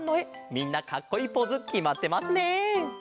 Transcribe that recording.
みんなかっこいいポーズきまってますね！